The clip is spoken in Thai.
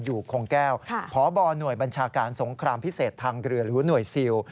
อยู่คงแก้วพบหน่วยบัญชาการสงครามพิเศษทางเรือหรือหน่วยซิล